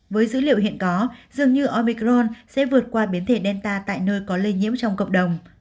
với dữ liệu hiện có dường như omicron sẽ vượt qua biến thể delta tại nơi có lây nhiễm trong cộng đồng